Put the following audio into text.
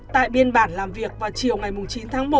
tại biên bản làm việc vào chiều ngày chín tháng một